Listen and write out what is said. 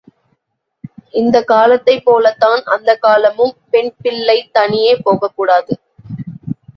இந்தக் காலத்தைப் போலத்தான் அந்தக்காலமும் பெண்பிள்ளை தனியே போகக்கூடாது.